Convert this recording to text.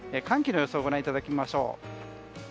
寒気の様子をご覧いただきましょう。